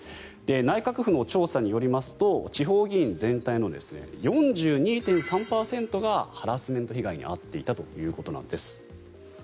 内閣府の調査によりますと地方議員全体の４２．３％がハラスメント被害に遭っていたということなんです。